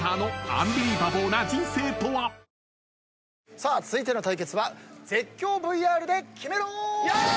さあ続いての対決は絶叫ＶＲでキメろー！